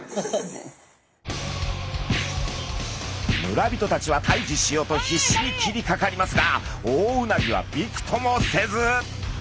村人たちは退治しようと必死に切りかかりますが大うなぎはびくともせず！